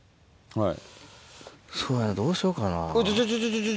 はい。